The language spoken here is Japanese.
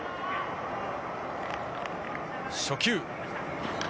初球。